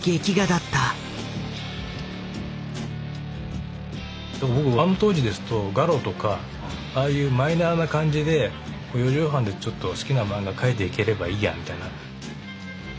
だから僕あの当時ですと「ガロ」とかああいうマイナーな感じで４畳半でちょっと好きな漫画描いていければいいやみたいな。